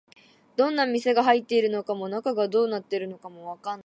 どんな店が入っているのかも、中がどうなっているのかもわからない